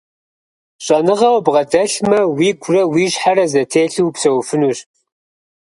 ЩӀэныгъэ убгъэдэлъмэ, уигурэ уи щхьэрэ зэтелъу упсэуфынущ.